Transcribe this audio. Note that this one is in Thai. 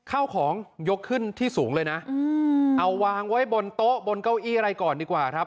เข้าของยกขึ้นที่สูงเลยนะเอาวางไว้บนโต๊ะบนเก้าอี้อะไรก่อนดีกว่าครับ